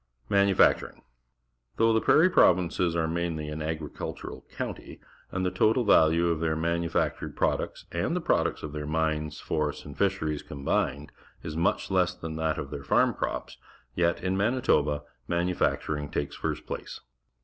Manufacturing. — Though the Prairie Provinces are mainly an agricultural countrj', and the total value of their manufactured products and the products of their mines, forests, and fisheries combined is much less than that of their farm crops, yet,^ Mani toba, manufacturing takes first place.